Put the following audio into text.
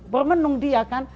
bermenung dia kan